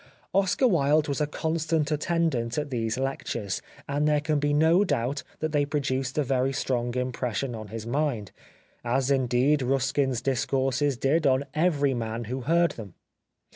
Oscar Wilde was a constant attendant at these lectures, and there can be no doubt that they produced a very strong impression on his mind, as, indeed, Ruskin's discourses did on every man who heard them.